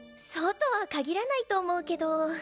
そうとは限らないと思うけど。